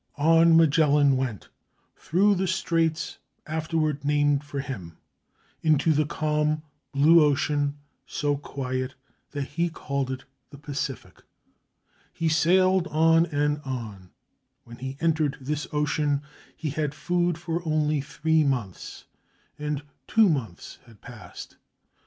On Magellan went, through the straits afterward 490 THE FIRST VOYAGE AROUND THE WORLD named for him, into the calm, blue ocean, so quiet that he called it the Pacific. He sailed on and on. When he entered this ocean, he had food for only three months, and two months had passed.